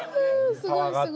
すごいね。